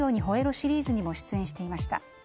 シリーズにも出演していました。